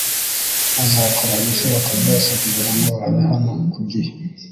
Azakora ibishoboka byose kugirango abe hano ku gihe